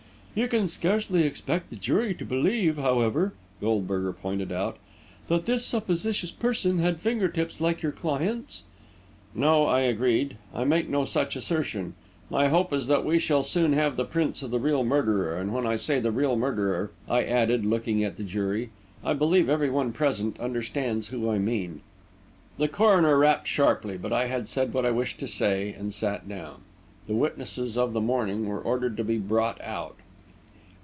"You can scarcely expect the jury to believe, however," Goldberger pointed out, "that this supposititious person had finger tips like your client's." "No," I agreed, "I make no such assertion; my hope is that we shall soon have the prints of the real murderer; and when I say the real murderer," I added, looking at the jury, "I believe every one present understands who I mean." The coroner rapped sharply; but I had said what I wished to say, and sat down. The witnesses of the morning were ordered to be brought out.